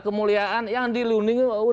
kemuliaan yang dilindungi